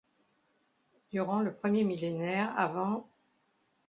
Durant le premier millénaire av.